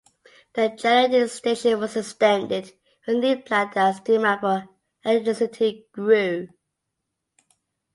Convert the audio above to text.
The generating station was extended with new plant as demand for electricity grew.